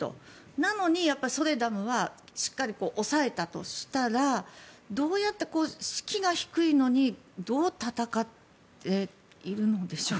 なのにソレダルはしっかり押さえたとしたら士気が低いのにどう戦っているのでしょうか。